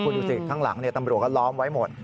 คุณดูสิข้างหลังตำรวจก็ล้อมไว้หมด